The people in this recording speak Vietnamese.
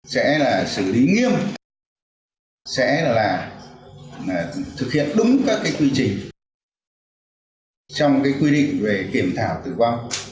sẽ là xử lý nghiêm sẽ là thực hiện đúng các cái quy trình trong cái quy định về kiểm thảo tử vong